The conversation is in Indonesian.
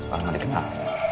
orang yang dikenal